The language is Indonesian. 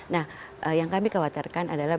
nah yang kami khawatirkan adalah